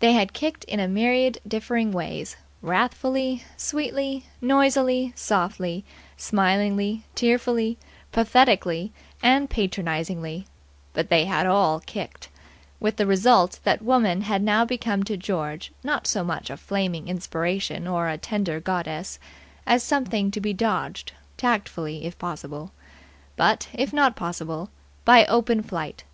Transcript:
They had kicked in a myriad differing ways wrathfully, sweetly, noisily, softly, smilingly, tearfully, pathetically and patronizingly; but they had all kicked; with the result that woman had now become to George not so much a flaming inspiration or a tender goddess as something to be dodged tactfully, if possible; but, if not possible, by open flight.